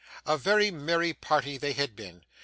A very merry party they had been.